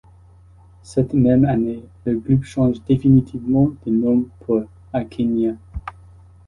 Cette même année, le groupe change définitivement de nom pour Arcania.